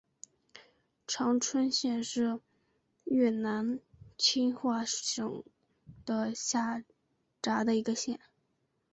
常春县是越南清化省下辖的一个县。